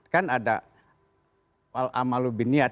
kan ada wal amalubin niat